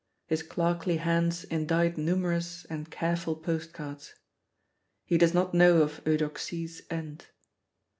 His clerkly hands indite numerous and careful postcards. He does not know of Eudoxie's end.